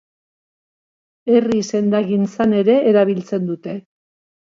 Herri sendagintzan ere erabiltzen dute.